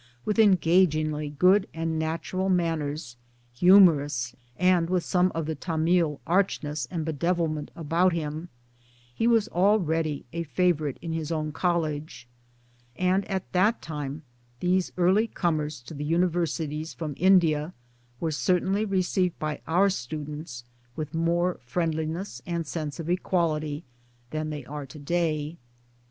With engagingly good and natural manners, humorous and with some of the Tamil archness and bedevilment about him, he was already a favorite in his own college and at that time these early comers to the Universities from India were certainly received by our students with more friendliness and sense of equality than they are to day.